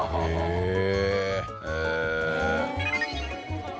へえ。